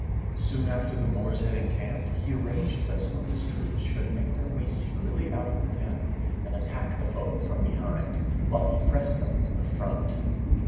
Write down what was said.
Soon after the Moors had encamped he arranged that some of his troops should make their way secretly out of the town and attack the foe from behind while he pressed them in the front.